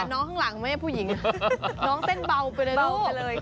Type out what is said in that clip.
ขอบค่าน้องข้างหลังไหมผู้หญิงน้องเต้นเบาไปเลย